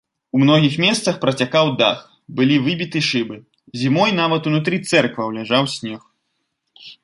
У многіх месцах працякаў дах, былі выбіты шыбы, зімой нават унутры цэркваў ляжаў снег.